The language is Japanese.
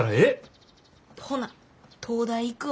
ほな東大行くわ。